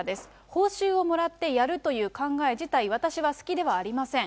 報酬をもらってやるという考え自体、私は好きではありません。